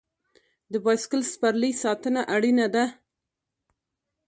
د بایسکل سپرلۍ ساتنه اړینه ده.